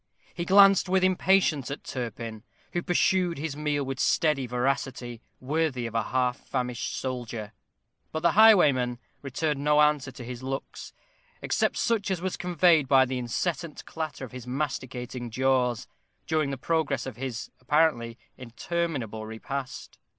He glanced with impatience at Turpin, who pursued his meal with steady voracity, worthy of a half famished soldier; but the highwayman returned no answer to his looks, except such as was conveyed by the incessant clatter of his masticating jaws, during the progress of his, apparently, interminable repast.